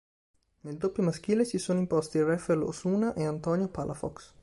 Nel doppio maschile si sono imposti Rafael Osuna e Antonio Palafox.